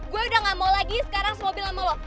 gue udah nggak mau lagi sekarang semobil sama lo